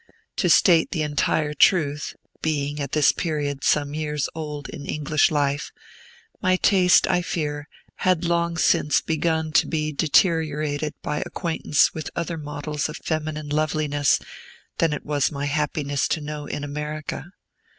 To state the entire truth (being, at this period, some years old in English life), my taste, I fear, had long since begun to be deteriorated by acquaintance with other models of feminine loveliness than it was my happiness to know in America.